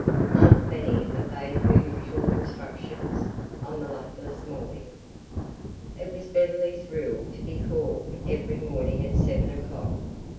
Aunt Fanny obeyed her usual instructions on this luckless morning. It was Beverly's rule to be called every morning at seven o'clock.